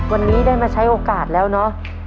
วันนี้ได้มาใช้โอกาสแล้วเนอะ